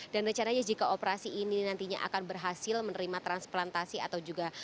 dan rencananya jika operasi ini nantinya akan berhasil menerima transplantasi atau juga